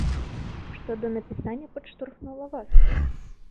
Што да напісання падштурхнула вас?